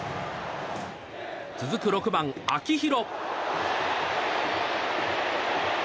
続く６番、秋広。